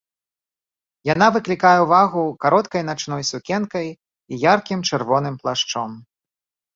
Яна выклікае ўвагу кароткай начной сукенкай і яркім чырвоным плашчом.